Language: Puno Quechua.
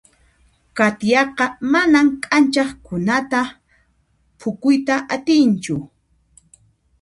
Katiaqa manan k'anchaqkunata phukuyta atinchu.